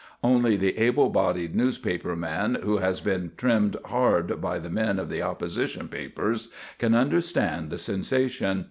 Only the able bodied newspaper man who has been trimmed hard by the men of the opposition papers can understand the sensation.